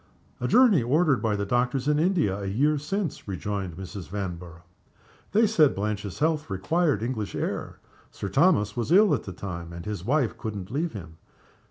"A journey ordered by the doctors in India a year since," rejoined Mrs. Vanborough. "They said Blanche's health required English air. Sir Thomas was ill at the time, and his wife couldn't leave him.